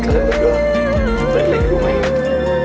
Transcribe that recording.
kalian juga mereka juga ingat